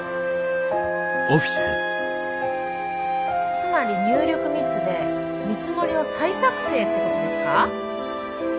つまり入力ミスで見積もりを再作成ってことですか？